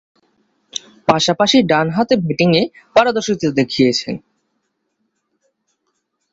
পাশাপাশি ডানহাতে ব্যাটিংয়ে পারদর্শীতা দেখিয়েছেন।